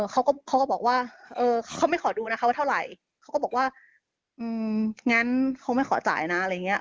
เขาก็บอกว่าเขาไม่ขอดูนะคะว่าเท่าไหร่เขาก็บอกว่างั้นเขาไม่ขอจ่ายนะอะไรอย่างนี้